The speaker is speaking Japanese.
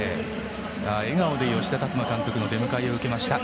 笑顔で吉田達磨監督の出迎えを受けました。